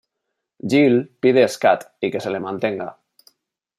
Jill pide Scat y que se le mantenga.